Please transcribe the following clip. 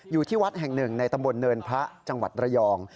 อยู่ที่วัดแห่งหนึ่งในตำบลเนินพระจังหวัดระยอง